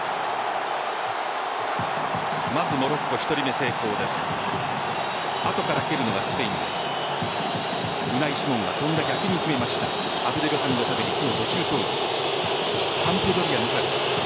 まず、モロッコ１人目成功です。